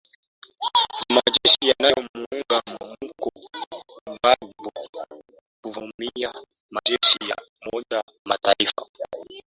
za majeshi yanayo muunga mkono gbagbo kuvamia majeshi ya umoja mataifa